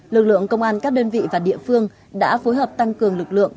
lực lượng công an các đơn vị và địa phương đã phối hợp tăng cường lực lượng